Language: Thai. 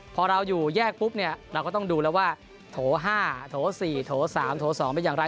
พอเราอยู่แยกปุ๊บเนี่ยเราก็ต้องดูแล้วว่าโถ๕โถ๔โถ๓โถ๒เป็นอย่างไร